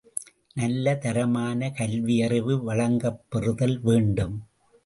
நல்ல தரமான கல்வியறிவு வழங்கப்பெறுதல் வேண்டும்.